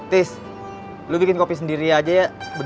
tis lo bikin kopi sendiri aja ya